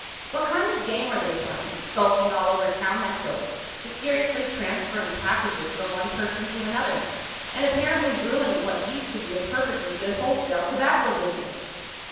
What kind of game are they playing—skulking all over town that way, mysteriously transferring packages from one person to another? And apparently ruining what used to be a perfectly good wholesale tobacco business?"